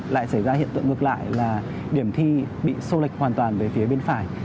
lại xảy ra hiện tượng ngược lại là điểm thi bị xô lệch hoàn toàn về phía bên phải